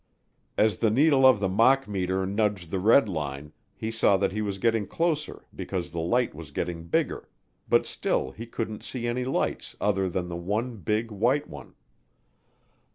As the needle on the machmeter nudged the red line, he saw that he was getting closer because the light was getting bigger, but still he couldn't see any lights other than the one big white one.